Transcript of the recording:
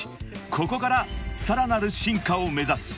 ［ここからさらなる進化を目指す］